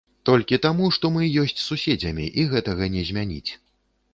Толькі таму, што мы ёсць суседзямі, і гэтага не змяніць.